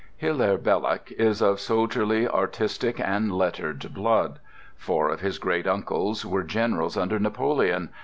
Hilaire Belloc is of soldierly, artistic, and lettered blood. Four of his great uncles were generals under Napoleon.